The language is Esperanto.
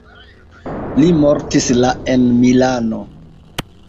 Li mortis la en Milano.